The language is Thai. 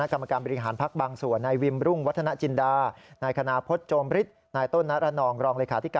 สร้างรัฐบาลประชาธิปไตยแก้ไขปัญหาเศรษฐกิจ